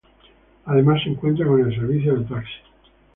Además se cuenta con el servicio de taxis.